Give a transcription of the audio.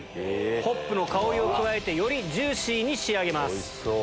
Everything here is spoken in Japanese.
ホップの香りを加えてよりジューシーに仕上げます。